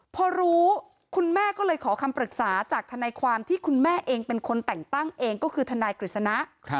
พอรู้คุณแม่ก็เลยขอคำปรึกษาจากทนายความที่คุณแม่เองเป็นคนแต่งตั้งเองก็คือทนายกฤษณะ